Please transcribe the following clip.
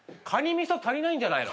みそ足りないんじゃないの？